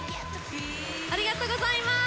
ありがとうございます！